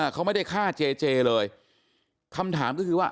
เขาไม่ได้ฆ่าเจเจเลยคำถามก็คือว่า